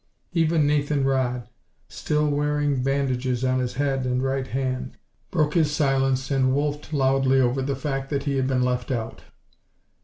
Even Nathan Rodd, still wearing bandages on his head and right hand, broke his silence and wolfed loudly over the fact that he had been left out.